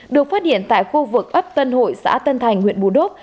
được phát hiện tại khu vực ấp tân hội xã tân thành huyện bù đốp